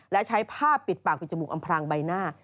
และใช้ผ้าปิดปากปิดจมูกอำพรางใบหน้า